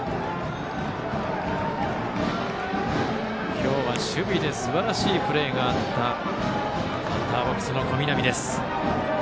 今日は守備ですばらしいプレーがあったバッターボックスの小南。